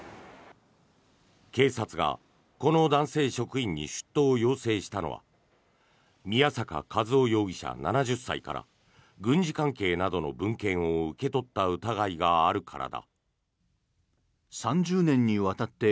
警察がこの男性職員に出頭を要請したのは宮坂和雄容疑者、７０歳から軍事関係などの文献を受け取った疑いがあるからだ。